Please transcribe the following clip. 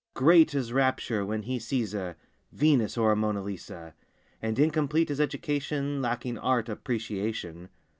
Great his rapture when he sees a Venus or a Mona Lisa; And incomplete his education Lacking Art Appreciation.